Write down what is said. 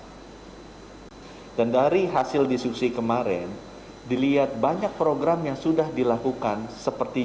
hai dan dari hasil diskusi kemarin dilihat banyak program yang sudah dilakukan seperti